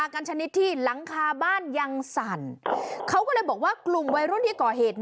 กันชนิดที่หลังคาบ้านยังสั่นเขาก็เลยบอกว่ากลุ่มวัยรุ่นที่ก่อเหตุ